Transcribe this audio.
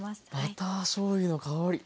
バターしょうゆの香り。